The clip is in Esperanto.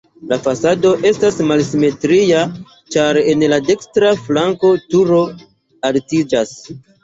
La fasado estas malsimetria, ĉar en la dekstra flanko turo altiĝas.